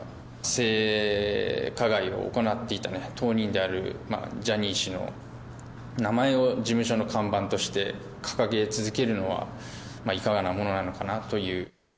性加害を行っていた当人であるジャニー氏の名前を、事務所の看板として掲げ続けるのは、いかがなものなのかなという。